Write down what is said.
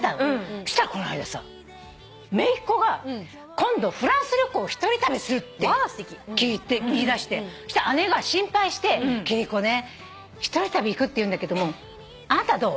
そしたらこの間さめいっ子が今度フランス旅行一人旅するって言いだしてそしたら姉が心配して「貴理子ね一人旅行くって言うんだけどもあなたどう？